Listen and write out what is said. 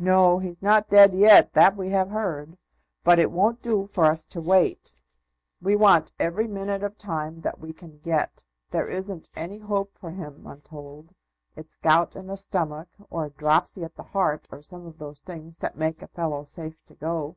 "No; he's not dead yet, that we have heard; but it won't do for us to wait. We want every minute of time that we can get. There isn't any hope for him, I'm told. It's gout in the stomach, or dropsy at the heart, or some of those things that make a fellow safe to go."